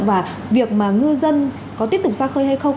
và việc mà ngư dân có tiếp tục xa khơi hay không